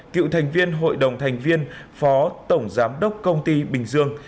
cựu thành viên hội đồng thành viên phó tổng giám đốc công ty bình dương